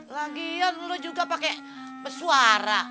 lagian lo juga pake pesuara